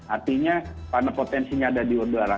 artinya karena potensinya ada di udara